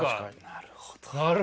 なるほど。